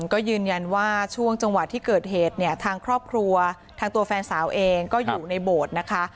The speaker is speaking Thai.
ก็ยืนยันว่าช่วงจังหวะที่เกิดเหตุเนี่ยทางครอบครัวทางตัวแฟนสาวเองก็อยู่ในโบสถ์นะคะ